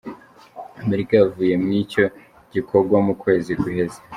Amerika yavuye mw'ico gikogwa mu kwezi guheze.